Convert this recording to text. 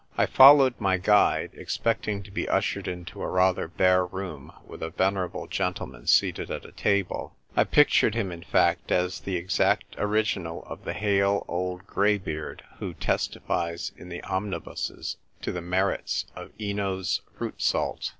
I followed my guide, expecting to be ushered into a rather bare room with a vener able gentleman seated at a table ; I pictured him, in fact, as the exact original of the hale old grey beard who testifies in the omnibuses to the merits of Eno's Fruit Salt.